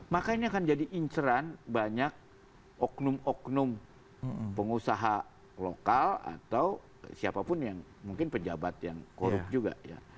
maka ini akan jadi inceran banyak oknum oknum pengusaha lokal atau siapapun yang mungkin pejabat yang korup juga ya